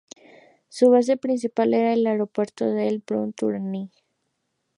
Su base principal era el aeropuerto de Brno-Tuřany.